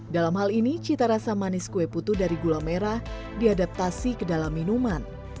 dalam hal ini cita rasa manis kue putu dari gula merah diadaptasi ke dalam minuman